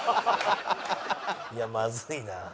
いやまずいな。